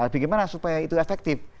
bagaimana supaya itu efektif